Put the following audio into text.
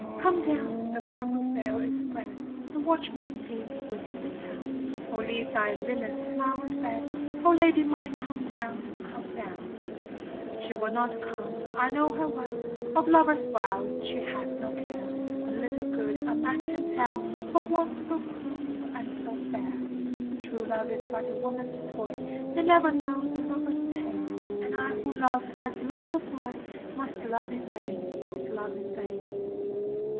Come down ! the purple sail is spread, The watchman sleeps within the town, O leave thy lily flowered bed, O Lady mine come down, come down 1 She will not come, I know her well, Of lover's vows she hath no care, And little good a man can tell Of one so cruel and so fair. True love is but a woman's toy, They never know the lover's pain, And I who loved as loves a boy Must love in vain, must love in vain.